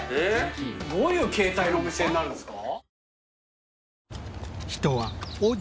どういう形態のお店になるんですか？